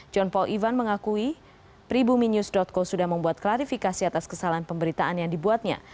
john paul ivan mengakui pribumi news co sudah membuat klarifikasi atas kesalahan pemberitaan yang dibuatnya